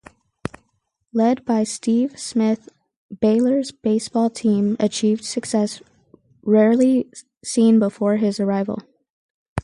Led by Steve Smith, Baylor's baseball team achieved success rarely seen before his arrival.